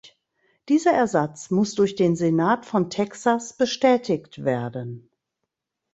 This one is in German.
Dieser Ersatz muss durch den Senat von Texas bestätigt werden.